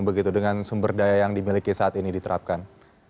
begitu dengan sumber daya yang dimiliki saat ini diterapkan